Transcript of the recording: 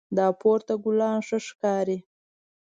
دا پورته ګلان ښه ښکاري